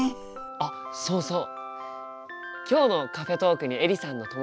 あっそうそう。